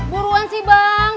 buruan sih bang